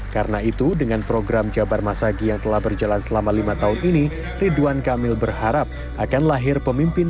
karena itu dengan program jabar masagi yang telah berjalan selama lima tahun ini ridwan kamil berharap akan lahir pemimpin pemimpin